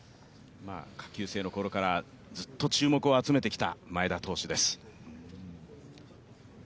下級生のころからずっと注目を集めてきた前田投手です。